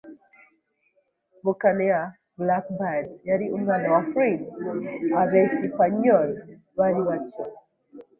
buccaneer. Blackbeard yari umwana wa Flint. Abesipanyoli bari batyo